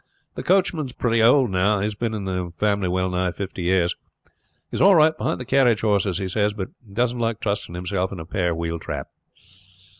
"The coachman is pretty old now. He has been in the family well nigh fifty years. He is all right behind the carriage horses, he says, but he does not like trusting himself in a pair wheel trap."